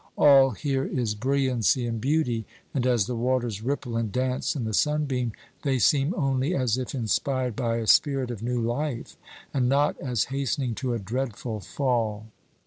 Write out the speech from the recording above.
All here is brilliancy and beauty; and as the waters ripple and dance in the sunbeam, they seem only as if inspired by a spirit of new life, and not as hastening to a dreadful fall.